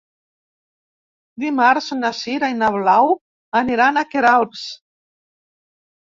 Dimarts na Sira i na Blau aniran a Queralbs.